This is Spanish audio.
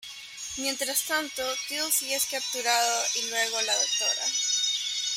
Mientras tanto, Teal'c es capturado y luego la Dra.